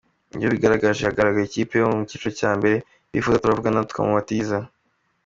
Iyo bigaragaje hakagira ikipe yo mu cyiciro cya mbere ibifuza turavugana tukamubatiza.